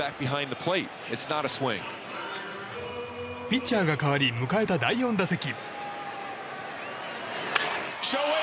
ピッチャーが代わり迎えた第４打席。